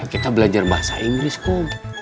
kita belajar bahasa inggris kok